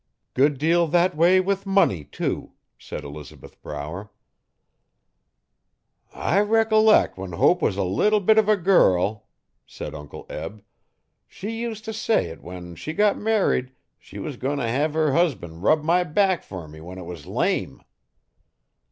'Good deal that way with money too,' said Elizabeth Brower. 'I recollec' when Hope was a leetle bit uv a girl' said Uncle Eb, 'she used to say 'et when she got married she was goin' to hev her husban' rub my back fer me when it was lame.